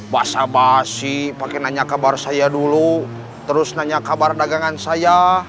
basa basi pakai nanya kabar saya dulu terus nanya kabar dagangan saya